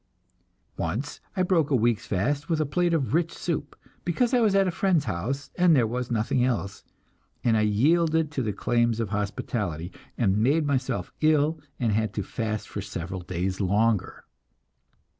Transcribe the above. Once I broke a week's fast with a plate of rich soup, because I was at a friend's house and there was nothing else, and I yielded to the claims of hospitality, and made myself ill and had to fast for several days longer.